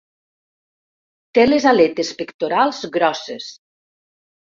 Té les aletes pectorals grosses.